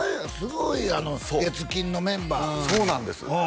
すごいあの月金のメンバーそうなんです